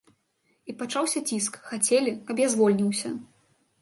І пачаўся ціск, хацелі, каб я звольніўся.